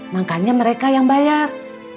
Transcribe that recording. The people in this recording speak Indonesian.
makanya mereka yang bayar